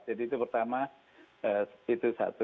jadi itu pertama itu satu